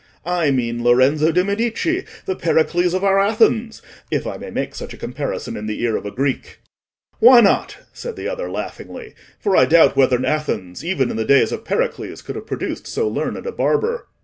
I mean Lorenzo de' Medici, the Pericles of our Athens—if I may make such a comparison in the ear of a Greek." "Why not?" said the other, laughingly; "for I doubt whether Athens, even in the days of Pericles, could have produced so learned a barber."